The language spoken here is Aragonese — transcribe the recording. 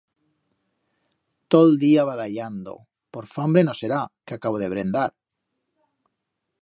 Todo el día badallando; por fambre no será, que acabo de brendar.